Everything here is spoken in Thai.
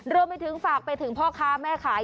รวมไปถึงฝากไปถึงพ่อค้าแม่ขาย